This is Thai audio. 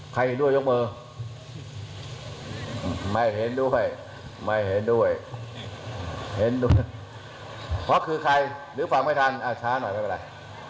เห็นด้วยยกมือไม่เห็นด้วยไม่เห็นด้วยเห็นด้วยเพราะคือใครหรือฟังไม่ทันช้าหน่อยไม่เป็นไร